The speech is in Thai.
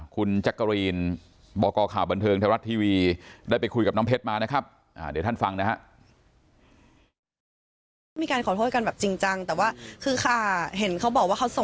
คุณจักรีนบกข่าวบันเทิงธรรมดาทีวีได้ไปคุยกับน้ำเพชรมานะครับ